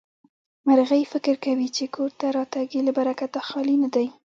مرغۍ فکر کوي چې کور ته راتګ يې له برکته خالي نه دی.